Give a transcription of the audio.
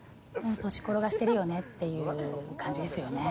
土地転がしてるよねっていう感じですよね。